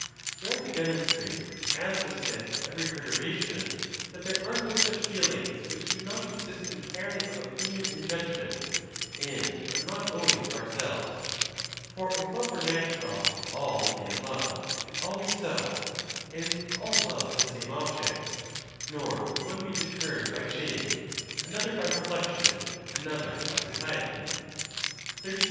We are to demonstrate, as was said of every perturbation, that there are no such feelings which do not consist entire ly of opinion and judgment, and are not owing to our selves. For if love were natural, all would' be in love, and always so, and all love the same object; nor would one be deterred by shame, another by reflection, another by satiety. XXXVI.